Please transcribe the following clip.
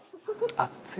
熱い！